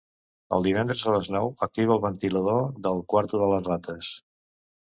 Els divendres a les nou activa el ventilador del quarto de les rates.